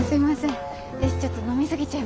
私ちょっと飲み過ぎちゃいました。